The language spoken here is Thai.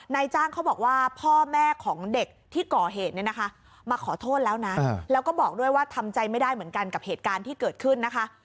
นายจ้างเขาบอกว่าพ่อแม่ของเด็กที่ก่อเหตุเนี่ยนะคะมาขอโทษแล้วนะแล้วก็บอกด้วยว่าทำใจไม่ได้เหมือนกันกับเหตุการณ์ที่เกิดขึ้นนะคะ